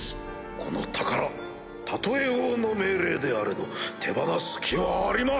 この宝たとえ王の命令であれど手放す気はありませぬ！